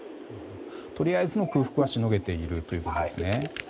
とりあえずの空腹はしのげているということですね。